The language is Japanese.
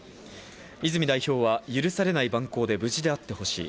泉代表は、許されない蛮行で無事であってほしい。